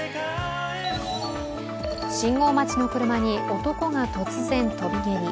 信号待ちの車に男が突然、跳び蹴り。